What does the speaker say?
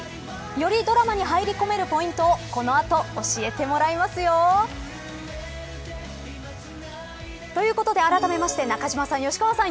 よりドラマに入り込めるポイントを、この後教えてもらいますよ。ということで、あらためまして中島さん吉川さん